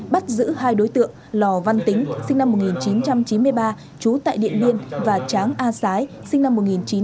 bắt giữ hai đối tượng lò văn tính sinh năm một nghìn chín trăm chín mươi ba trú tại điện biên và tráng a sái sinh năm một nghìn chín trăm tám mươi